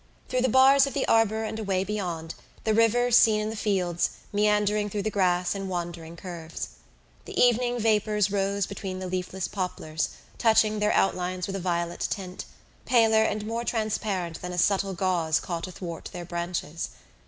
Through the bars of the arbour and away beyond the river seen in the fields, meandering through the grass in wandering curves. The evening vapours rose between the leafless poplars, touching their outlines with a violet tint, paler and more transparent than a subtle gauze caught athwart their branches.